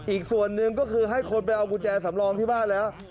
อีกส่วนหนึ่งก็คือให้คนไปเอากุญแจสำรองที่บ้านแล้ว